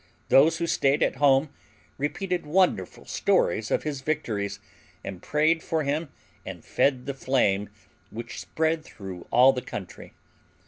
Those who stayed at home repeated wonderful stories of his victories and prayed for him and fed the flame which spread through all the country.